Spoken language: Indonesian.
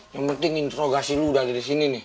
yang penting introgasi lu udah ada disini nih